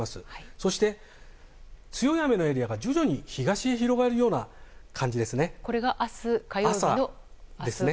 そして、強い雨のエリアが徐々に東に広がるような感じですね。